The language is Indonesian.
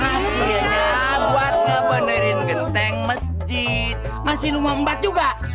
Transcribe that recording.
hasilnya buat ngebenerin genteng masjid masih lumah mbak juga